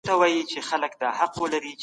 په سياست کي د نظر اختلاف طبيعي دی.